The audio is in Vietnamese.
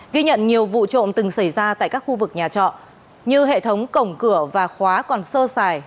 ghi nhận nhiều vụ trộm từng xảy ra tại các khu vực nhà trọ như hệ thống cổng cửa và khóa còn sơ sài